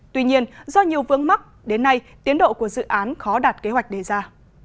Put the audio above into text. tuy nhiên do nhiều vướng mắc đến nay tiến độ của dự án khó đạt kế hoạch đề ra